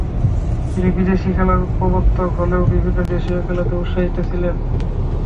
তিনি বিদেশী খেলার প্রবর্তক হলেও বিভিন্ন দেশীয় খেলাতেও উৎসাহী ছিলেন।